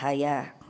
tadi saya menghafal